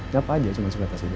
nyapa aja cuma suka kasih duit